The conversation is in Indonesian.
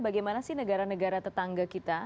bagaimana sih negara negara tetangga kita